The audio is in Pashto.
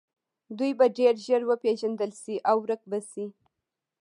دوی به ډیر ژر وپیژندل شي او ورک به شي